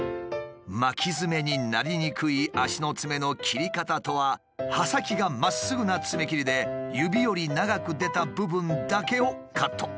巻きヅメになりにくい足のツメの切り方とは刃先がまっすぐなツメ切りで指より長く出た部分だけをカット。